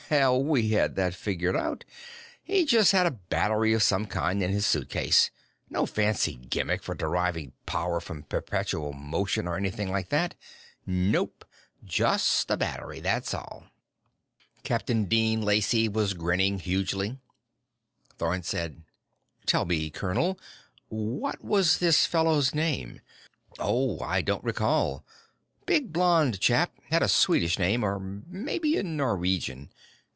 "Hell, we had that figured out. He just had a battery of some kind in the suitcase. No fancy gimmick for deriving power from perpetual motion or anything like that. Nope. Just a battery, that's all." Captain Dean Lacey was grinning hugely. Thorn said: "Tell me, colonel what was this fellow's name?" "Oh, I don't recall. Big, blond chap. Had a Swedish name or maybe Norwegian.